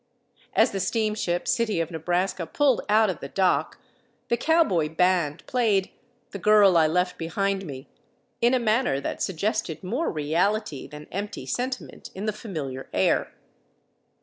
As the steamship City of Nebraska pulled out of the dock the cowboy band played "The Girl I Left Behind Me" in a manner that suggested more reality than empty sentiment in the familiar air.